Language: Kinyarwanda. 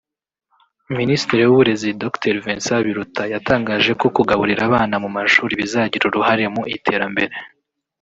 Minisitiri w’Uburezi Dr Vincent Biruta yatangaje ko kugaburira abana mu mashuri bizagira uruhare mu iterambere